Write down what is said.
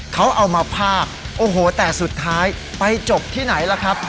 เขาเอามาพากโอ้โหแต่สุดท้ายไปจบที่ไหนล่ะครับ